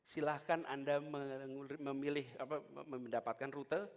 silahkan anda mendapatkan rute